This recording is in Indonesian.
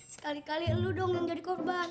sekali kali lu dong yang jadi korban